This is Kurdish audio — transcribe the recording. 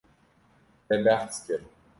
Te behs kir.